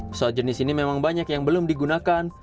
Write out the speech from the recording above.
pesawat jenis ini memang banyak yang belum digunakan